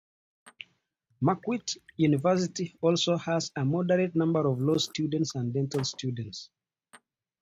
Marquette University also has a moderate number of law students and dental students.